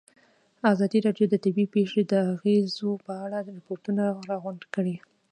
ازادي راډیو د طبیعي پېښې د اغېزو په اړه ریپوټونه راغونډ کړي.